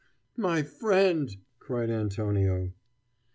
"My friend!" cried Antonio.